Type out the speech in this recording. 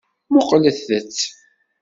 Muqqlet-tt.